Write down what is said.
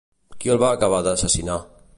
Qui el va acabar d'assassinar?